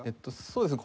そうですね。